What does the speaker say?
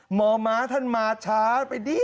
หมอม้าท่านมาช้าไปดิ